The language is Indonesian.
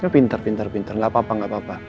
pinter pinter gak apa apa